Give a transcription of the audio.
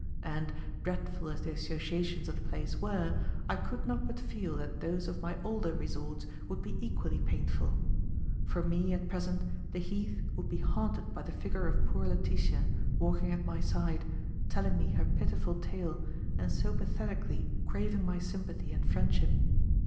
And, dreadful as the associations of the place were, I could not but feel that those of my older resorts would be equally painful. For me, at present, the Heath would be haunted by the figure of poor Letitia, walking at my side, telling me her pitiful tale and so pathetically craving my sympathy and friendship.